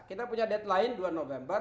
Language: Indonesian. kita punya deadline dua november